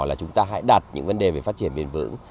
là chúng ta hãy đặt những vấn đề về phát triển bền vững